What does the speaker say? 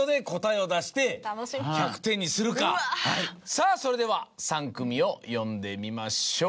さぁそれでは３組を呼んでみましょう。